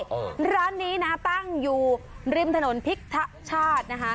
เออร้านนี้นะตั้งอยู่ริมถนนพิกธชาตินะคะ